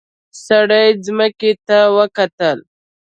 سړي ځمکې ته وکتل.